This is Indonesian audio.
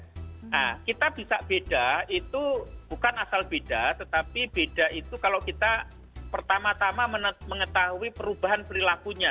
nah kita bisa beda itu bukan asal beda tetapi beda itu kalau kita pertama tama mengetahui perubahan perilakunya